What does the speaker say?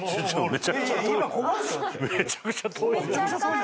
めちゃめちゃ遠い。